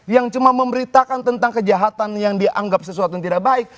yang cuma memberitakan tentang kejahatan yang dianggap sesuatu yang tidak baik